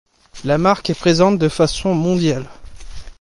La marque est présente de façon mondiale.